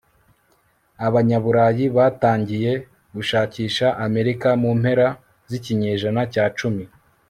abanyaburayi batangiye gushakisha amerika mu mpera z'ikinyejana cya cumi